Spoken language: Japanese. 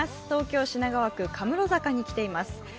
東京・品川区かむろ坂に来ています。